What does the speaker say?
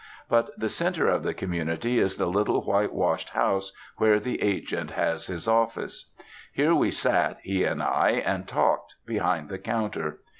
But the centre of the community is the little white washed house where the agent has his office. Here we sat, he and I, and talked, behind the counter.